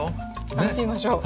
楽しみましょう。